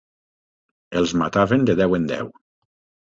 Els mataven de deu en deu.